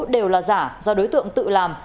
đều là giả do đối tượng tự làm